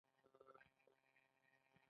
د پکتیا په لجه منګل کې د کرومایټ نښې شته.